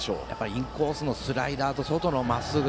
インコースのスライダーと外のまっすぐ。